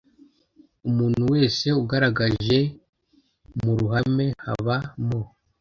Umuntu wese ugaragaje mu ruhame haba mu